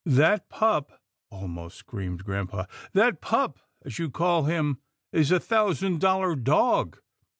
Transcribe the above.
" That pup," almost screamed grampa, " that pup, as you call him, is a thousand dollar dog